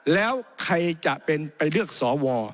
แล้วใครจะไปเลือกสว